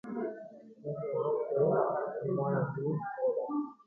Omohuʼã upe ñemoarandu Bogotápe.